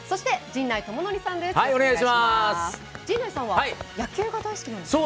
陣内さんは野球が大好きなんですよね。